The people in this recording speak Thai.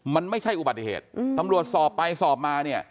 มันไม่ใช่อุบัติเหตุตำรวจสอบไปสอบมาเนี่ย